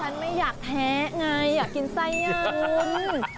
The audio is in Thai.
ฉันไม่อยากแท้ไงอยากกินไส้ย่างนู้น